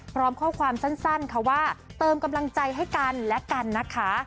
พร้อมข้อความสั้นค่ะว่าเติมกำลังใจให้กันและกันนะคะ